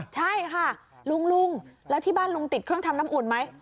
ใช่ค่ะลุงลุงแล้วที่บ้านลุงติดเครื่องทำน้ำอุ่นไหม